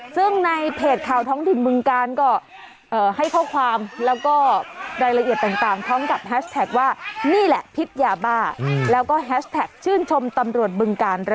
ซึ่งในเผจข่าวท้องที่มึงการก็